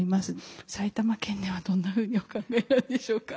埼玉県ではどんなふうにお考えなんでしょうか？